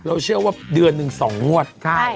เชื่อว่าเดือนหนึ่ง๒งวด